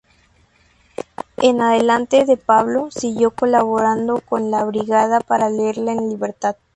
En adelante, De Pablo siguió colaborando con la Brigada para Leer en Libertad.